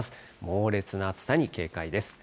猛烈な暑さに警戒です。